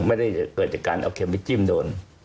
ไม่ได้เกิดจากการเอาเคมวิกจิ้มโดน